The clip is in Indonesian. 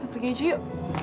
pergi aja yuk